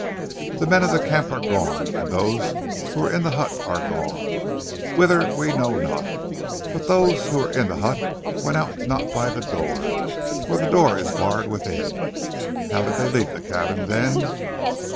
"The men of the camp are gone; and those who were in the hut are gone whither we know not; but those who were in the hut went out not by the door, for the door is barred within. How did they leave the cabin, then?"